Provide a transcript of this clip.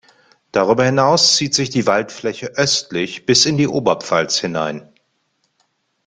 Darüber hinaus zieht sich die Waldfläche östlich bis in die Oberpfalz hinein.